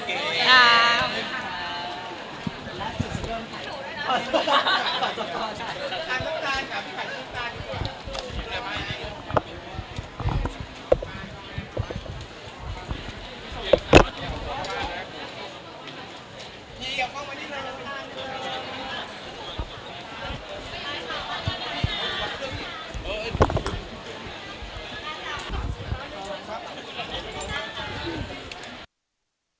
เมื่อเวลาอันดับสุดท้ายมันกลายเป็นอันดับสุดท้ายที่สุดท้าย